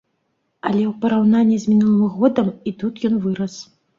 Але ў параўнанні з мінулым годам і тут ён вырас.